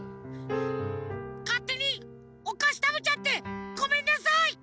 かってにおかしたべちゃってごめんなさい！